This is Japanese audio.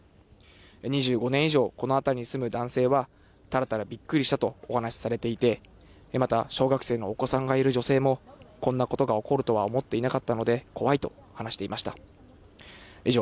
２５年以上この辺りに住む男性は、ただただびっくりしたとお話しされていて、また小学生のお子さんがいる女性も、こんなことが起こるとは思っていなかったので怖いと話していました。